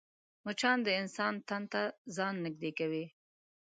مچان د انسان تن ته ځان نږدې کوي